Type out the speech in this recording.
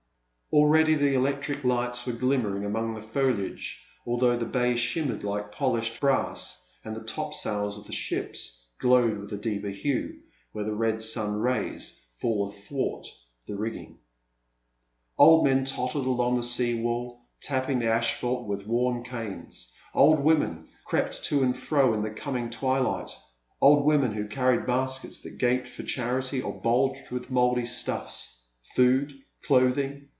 Already the electric lights were glimmering among the foliage although the bay shimmered like polished brass and the topsails of the ships glowed with a deeper hue, where the red sun rays fall athwart the rigging. A Pleasant Evening. 337 Old men tottered along the sea wall, tapping the asphalt with worn canes, old women crept to and fro in the coming twilight, — old women who carried baskets that gaped for charity or bulged with mouldy stuflfs, — ^food, clothing